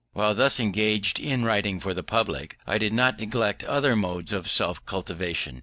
While thus engaged in writing for the public, I did not neglect other modes of self cultivation.